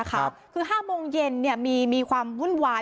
คือ๕โมงเย็นมีความวุ่นวาย